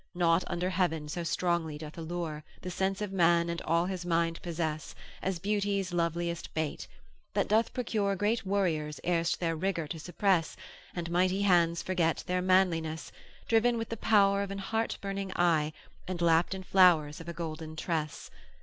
Nought under heaven so strongly doth allure The sense of man and all his mind possess, As beauty's loveliest bait, that doth procure Great warriors erst their rigour to suppress, And mighty hands forget their manliness, Driven with the power of an heart burning eye, And lapt in flowers of a golden tress.